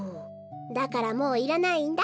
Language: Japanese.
だからもういらないんだ。